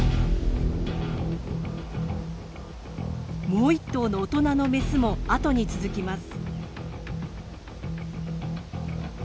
もう１頭の大人のメスも後に続きます。